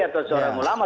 atau seorang ulama